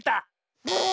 ブー！